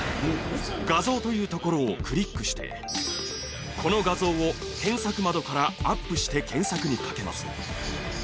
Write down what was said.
画像というところをクリックしてこの画像を検索窓からアップして検索にかけます。